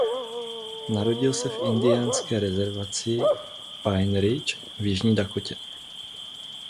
Narodil se v indiánské rezervaci Pine Ridge v Jižní Dakotě.